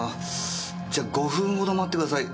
じゃあ５分程待ってください。